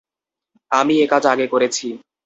আমি একাজ আগে করেছি।